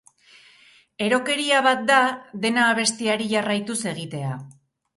Erokeria bat da dena abestiari jarraituz egitea!